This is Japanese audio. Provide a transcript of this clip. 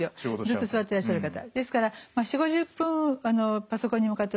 ずっと座ってらっしゃる方。